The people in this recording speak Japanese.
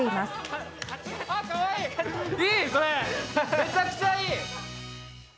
めちゃくちゃいい！